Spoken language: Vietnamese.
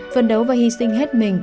phân đấu và hy sinh hết mình